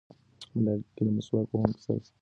ملایکې له مسواک وهونکي سره ستړې مه شي کوي.